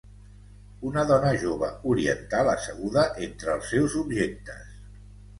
Una dona jove oriental asseguda entre els seus objectes.